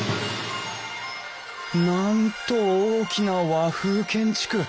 なんと大きな和風建築。